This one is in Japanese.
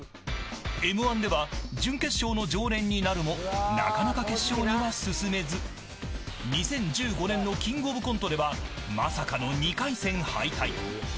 Ｍ−１では準決勝の常連になるもなかなか決勝には進めず２０１５年のキングオブコントではまさかの２回戦敗退。